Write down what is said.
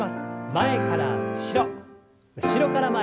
前から後ろ後ろから前に。